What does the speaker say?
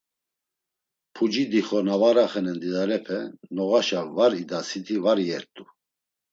Puci dixo na var axenen didalepe, noğaşa var idasiti var iyert̆u.